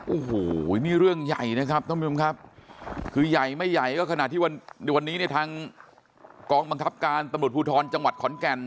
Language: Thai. โอ้โหนี่เรื่องใหญ่นะครับท่านผู้ชมครับคือใหญ่ไม่ใหญ่ก็ขนาดที่วันนี้เนี่ยทางกองบังคับการตำรวจภูทรจังหวัดขอนแก่น